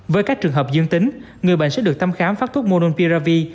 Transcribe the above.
với các trường hợp dương tính người bệnh sẽ được thăm khám phát thuốc monopirvi